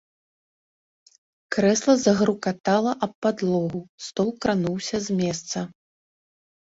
Крэсла загрукатала аб падлогу, стол крануўся з месца.